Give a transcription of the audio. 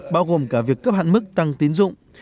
bao gồm cả việc cấp hạn mức tăng tín dụng